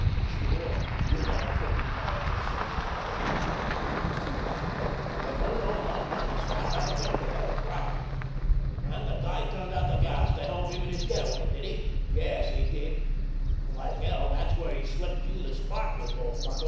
Sure, you got a tricky nut on your shoulders, all right! It's too bad, though, you don't know enough not to stack up against a better crowd! And the guy turned out the gas to help him in his get away, did he? Yes, he did—like hell! That's where he slipped you the sparklers, old bucko!